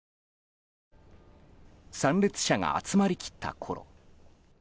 参列者が集まりきったころ